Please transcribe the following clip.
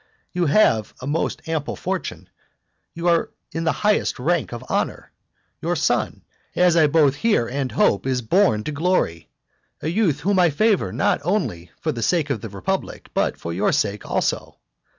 You have a most ample fortune, you are in the highest rank of honour, your son, as I both hear and hope is born to glory, a youth whom I favour not only for the sake of the republic, but for your sake also.